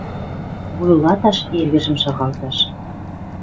Вуйлаташ эргӹжӹм шагалташ.